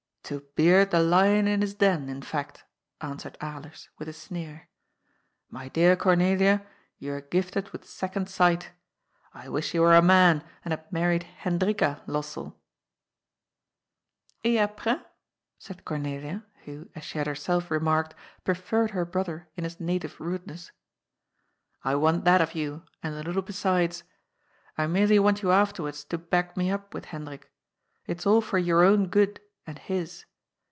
"^' To beard the lion in his den, in fact," answered Alers, with a sneer. ^^ My dear Cornelia, you are gifted with sec ond sight I wish you were a man, and had married Hen drika Lossell." *' Et aprds ?" said Cornelia, who, as she had herself re marked, preferred her brother in his native rudeness. ^' I want that of you, and a little besides. I merely want you afterwards to back me up with Hendrik. It's all for your own good and his.